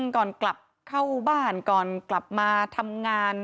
ก่อนกลับเข้าบ้านก่อนกลับมาทำงาน